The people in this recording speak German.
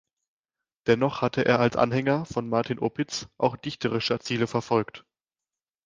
Dennoch hatte er als Anhänger von Martin Opitz auch dichterische Ziele verfolgt.